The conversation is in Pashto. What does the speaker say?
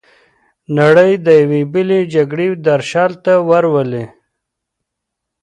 نړۍ د یوې بلې جګړې درشل ته ورولي.